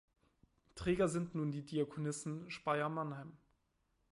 Träger sind nun die Diakonissen Speyer-Mannheim.